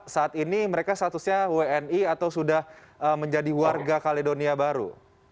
saat ini mereka statusnya wni atau sudah menjadi warga kaledonia baru